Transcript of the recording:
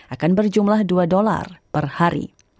akan berjumlah dua dolar per hari